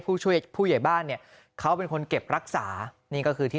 ผู้ช่วยผู้ใหญ่บ้านเนี่ยเขาเป็นคนเก็บรักษานี่ก็คือที่